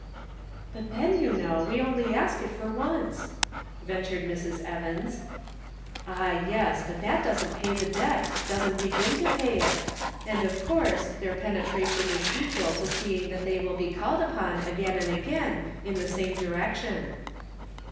"But then, you know, we only ask it for once," ventured Mrs. Evans. 84 The Pocket Measure. " Ah, yes ; but that doesn't pay the debt — doesn't begin to pay it; and of course their penetration is equal to seeing that they will be called upon again and again in the same direction."